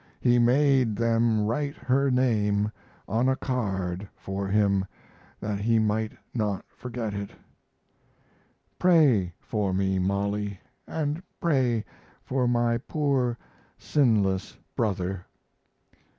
He made them write her name on a card for him, that he might not forget it. Pray for me, Mollie, and pray for my poor sinless brother.